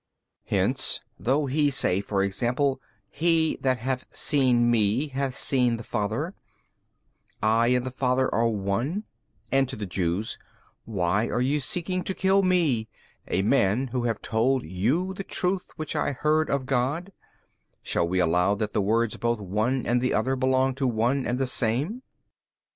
B. Hence though He say for example, He that hath seen Me hath seen the Father, I and the Father are One, and to the Jews, Why are ye seeking to kill Me, a man Who have told you the truth which I heard of God, shall we allow that the words both one and other belong to One and the Same?